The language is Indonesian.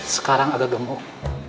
sekarang agak gemuk